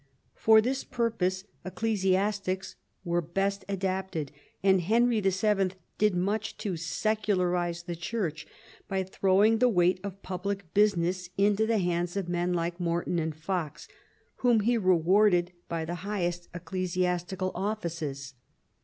For this purpose ecclesi astics were best adapted, and Henry VII. did much to secularise the Church by throwing the weight of public business into the hands of men like Morton and Fox, whom he rewarded by the highest ecclesiastical offices.